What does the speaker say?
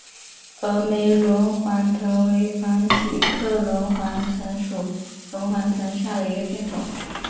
峨眉轮环藤为防己科轮环藤属轮环藤下的一个变型。